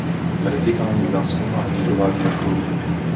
Vertikální zásobování provádí vrtulník.